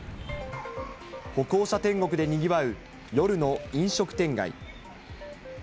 歩行者天国でにぎわう夜の飲食店街。